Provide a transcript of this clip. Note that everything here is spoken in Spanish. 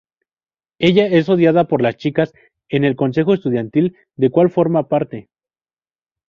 Ella es odiada por las chicas en el consejo estudiantil, del cual forma parte.